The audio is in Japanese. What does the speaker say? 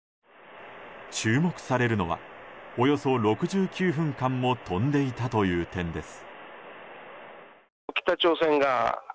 注目されるのはおよそ６９分間も飛んでいたという点です。